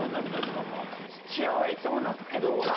土屋はいつも泣くけど。